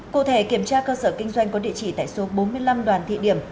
cụ thể kiểm tra cơ sở kinh doanh có địa chỉ tại số bốn mươi năm đoàn thị điểm